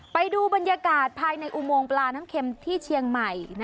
ไปดูบรรยากาศภายในอุโมงปลาน้ำเข็มที่เชียงใหม่